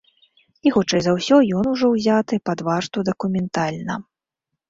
І хутчэй за ўсё ён ужо ўзяты пад варту дакументальна.